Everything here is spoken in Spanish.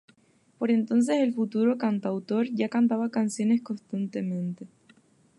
Por entonces el futuro cantautor ya cantaba canciones constantemente.